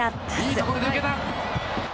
いいところで抜けた。